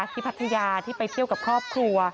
พัทยาที่ไปเที่ยวกับครอบครัว